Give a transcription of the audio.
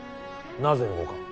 なぜ動かん。